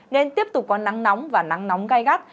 nên tiếp tục có nắng nóng và nắng nóng gai gắt